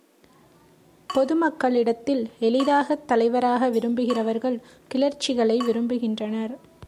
பொதுமக்களிடத்தில் எளிதாகத் தலைவராக விரும்புகிறவர்கள் கிளர்ச்சிகளை விரும்புகின்றனர்.